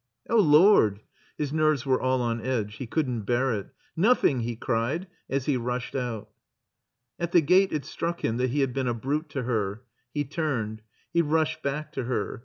"Oh, Lord!" His nerves were all on edge. He couldn't bear it. '*Nothingr he cried, as he rushed out. At the gate it struck him that he had been a brute to her. He turned. He rushed back to her.